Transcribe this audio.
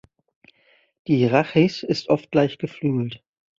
Die Rhachis ist oft leicht geflügelt.